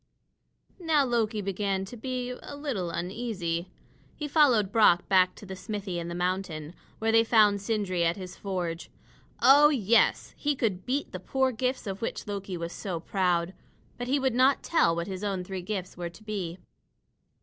Now Loki began to be a little uneasy. He followed Brock back to the smithy in the mountain, where they found Sindri at his forge. Oh, yes! He could beat the poor gifts of which Loki was so proud. But he would not tell what his own three gifts were to be.